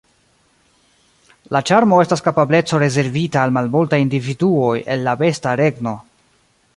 La ĉarmo estas kapableco rezervita al malmultaj individuoj el la besta regno.